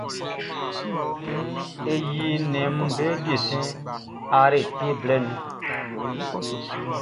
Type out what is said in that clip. E yi nnɛnʼm be desɛn art blɛ nun.